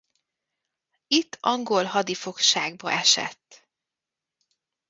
Itt angol hadifogságba esett.